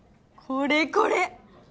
これこれ！